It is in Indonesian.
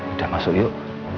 udah masuk yuk